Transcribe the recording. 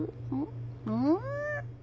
うん？